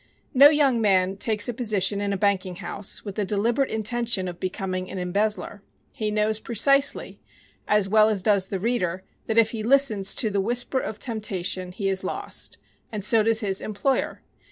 No young man takes a position in a banking house with the deliberate intention of becoming an embezzler. He knows precisely, as well as does the reader, that if he listens to the whisper of temptation he is lost and so does his employer.